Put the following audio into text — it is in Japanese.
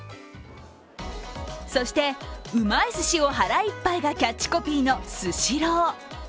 そして、うまいすしを、腹一杯がキャッチコピーのスシロー。